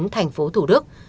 thành phố thủ đức